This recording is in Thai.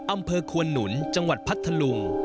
อำเภอควนหนุนจังหวัดพัทธลุง